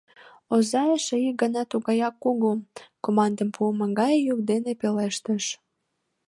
— оза эше ик гана тугаяк кугу, командым пуымо гай йӱк дене пелештыш.